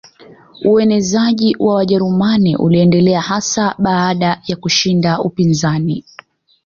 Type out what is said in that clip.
Uenezeaji wa Wajerumani uliendelea hasa baada ya kuushinda upinzani